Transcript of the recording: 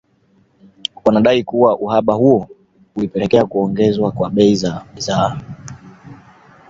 Wanadai kuwa uhaba huo ulipelekea kuongezeka kwa bei za bidhaa